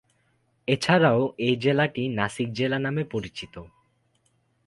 এছাড়াও এই জেলাটি "নাসিক জেলা" নামে পরিচিত।